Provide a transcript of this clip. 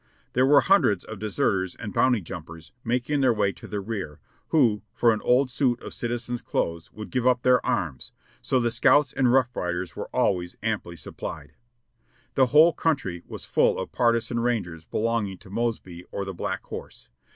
There were hundreds of deserters and bounty jumpers making their way to the rear, who for an old suit of citizen's clothes would give up their arms, so the scouts and rough riders were always amply supplied. The whole country was full of partisan rangers belonging to Mosby or the Black Horse.